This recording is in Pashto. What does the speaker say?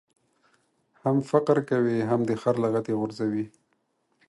هم فقر کوې ، هم دي خر لغتي غورځوي.